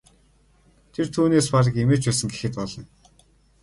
Тэр үүнээс бараг эмээж байсан гэхэд болно.